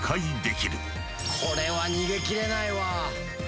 これは逃げ切れないわ。